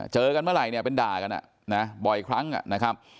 เจอกันเมื่อไหร่เนี่ยเป็นด่ากันบ่อยครั้งนะครับ